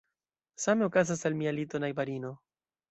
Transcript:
Same okazas al mia litonajbarino.